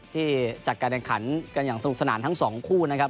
ที่จัดการแข่งขันกันอย่างสนุกสนานทั้งสองคู่นะครับ